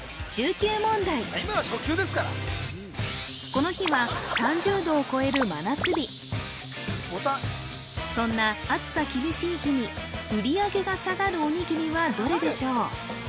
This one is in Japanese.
今の初級ですからこの日は３０℃を超える真夏日そんな暑さ厳しい日に売り上げが下がるおにぎりはどれでしょう